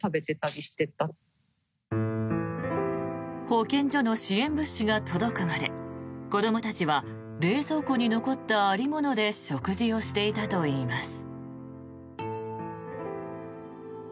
保健所の支援物資が届くまで子どもたちは冷蔵庫に残ったありもので食事をしていたといいます。